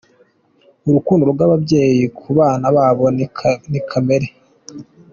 Urukundo rw’ababyeyi ku bana babo ni kamere.